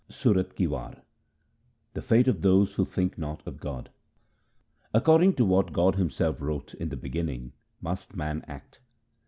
Sorath ki War The fate of those who think not of God :— According to what God Himself wrote in the beginning must man act.